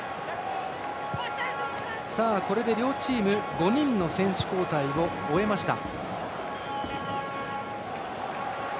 これで両チーム５人の選手交代を終えました。